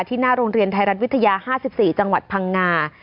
หน้าโรงเรียนไทยรัฐวิทยา๕๔จังหวัดพังงา